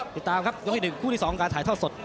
ติดตามครับยกที่หนึ่งคู่ที่สองการถ่ายเท่าสด